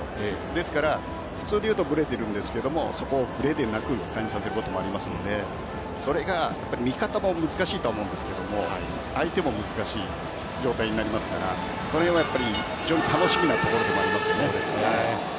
ですから普通でいうとぶれてるんですけどそこを、ぶれでなく感じさせるところもありますのでそれが、味方も難しいとは思いますが相手も難しい状態になりますからその辺が非常に楽しみなところでもありますね。